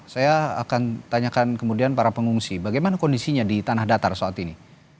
saya akan tanyakan kemudian para pengungsi bagaimana kondisinya di tanah datar saat ini